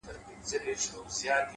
د حقیقت درناوی شخصیت لوړوي،